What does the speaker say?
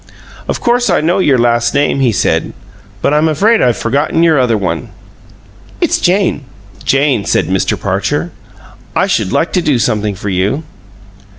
"Of course I know your last name," he said, "but I'm afraid I've forgotten your other one." "It's Jane." "Jane," said Mr. Parcher, "I should like to do something for you."